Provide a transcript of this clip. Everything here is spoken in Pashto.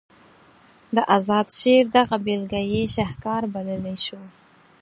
د اذاد شعر دغه بیلګه یې شهکار بللی شو.